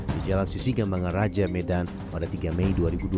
di jalan sisi gambangan raja medan pada tiga mei dua ribu dua puluh